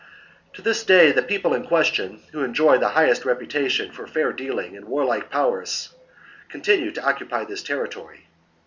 To this day the people in question, who enjoy the highest reputa tion for fair dealing and warlike prowess, continue to occupy this territory.